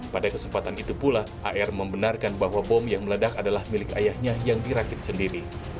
pada kesempatan itu pula ar membenarkan bahwa bom yang meledak adalah milik ayahnya yang dirakit sendiri